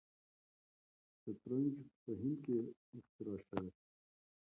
شطرنج په هند کې اختراع شوی.